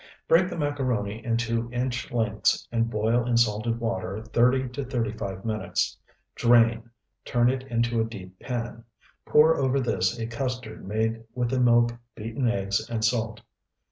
Break the macaroni into inch lengths and boil in salted water thirty to thirty five minutes. Drain, turn it into a deep pan. Pour over this a custard made with the milk, beaten eggs, and salt.